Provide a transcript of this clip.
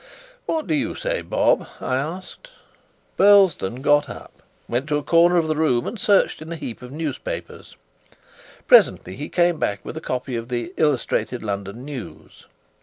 "What do you say, Bob?" I asked. Burlesdon got up, went to a corner of the room, and searched in a heap of newspapers. Presently he came back with a copy of the Illustrated London News.